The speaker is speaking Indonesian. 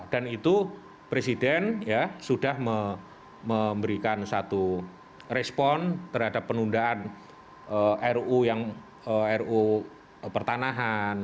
dan itu presiden ya sudah memberikan satu respon terhadap penundaan ru yang ru pertanahan